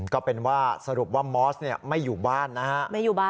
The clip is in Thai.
ก็เป็นว่าสรุปว่ามอสไม่อยู่บ้านนะฮะ